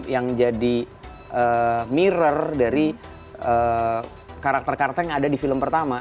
yang jadi mirror dari karakter karakter yang ada di film pertama